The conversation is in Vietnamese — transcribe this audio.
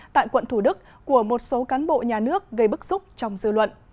tại quận thủ đức của một số cán bộ nhà nước gây bức xúc trong dư luận